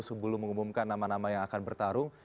sebelum mengumumkan nama nama yang akan bertarung